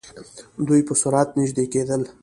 دوئ په سرعت نژدې کېدل.